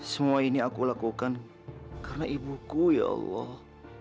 semua ini aku lakukan karena ibuku ya allah